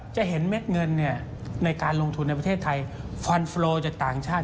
จะเห็นเม็ดเงินในการลงทุนในประเทศไทยฟันโฟโลจากต่างชาติ